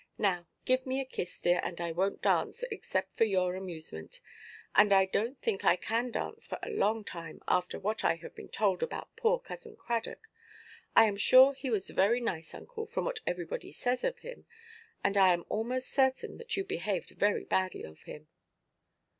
Now give me a kiss, dear, and I wonʼt dance, except for your amusement. And I donʼt think I can dance for a long time, after what I have been told about poor Cousin Cradock. I am sure he was very nice, uncle, from what everybody says of him, and I am almost certain that you behaved very badly to him."